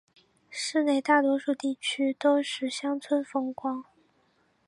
市内大多数地区都是乡村风光。